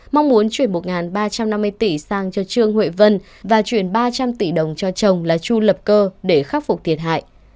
mong muốn chuyển một ba trăm năm mươi tỷ sang cho trương huệ vân và chuyển ba trăm linh tỷ đồng cho chồng là chu lập cơ để khắc phục thiệt hại